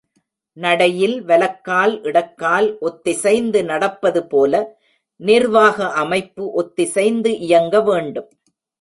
நடையில் வலக்கால் இடக்கால் ஒத்திசைந்து நடப்பதுபோல, நிர்வாக அமைப்பு ஒத்திசைந்து இயங்கவேண்டும்.